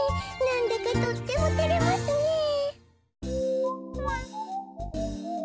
なんだかとってもてれますねえ。